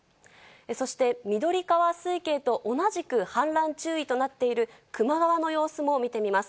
そして緑川水系と同じく氾濫注意となっている球磨川の様子も見てみます。